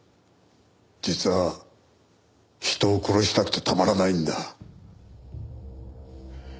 実は人を殺したくてたまらないんだ。